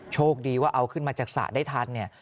โชคดีว่าเอาขึ้นมาจักษะได้ทัน